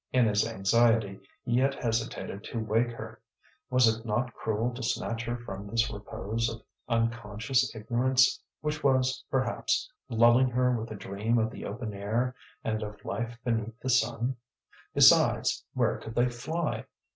In his anxiety he yet hesitated to wake her. Was it not cruel to snatch her from this repose of unconscious ignorance, which was, perhaps, lulling her with a dream of the open air and of life beneath the sun? Besides, where could they fly?